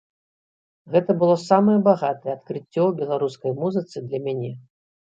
Гэта было самае багатае адкрыццё ў беларускай музыцы для мяне.